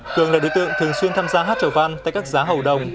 cường là đối tượng thường xuyên tham gia hát trầu văn tại các giá hầu đồng